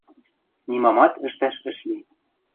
Нимамат ӹштӓш ӹш ли.